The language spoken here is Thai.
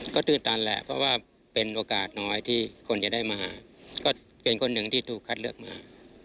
ก็ตื่นตันแหละเพราะว่าเป็นโอกาสน้อยที่คนจะได้มาก็เป็นคนหนึ่งที่ถูกคัดเลือกมา